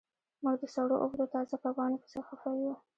موږ د سړو اوبو د تازه کبانو پسې خفه یو